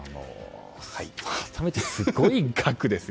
改めてすごい額ですね。